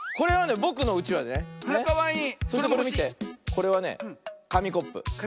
これはねかみコップ。